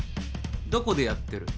どこでやってる？